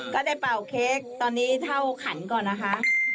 เป่าเค้กตอนนี้เท่าขันก่อนนะคะ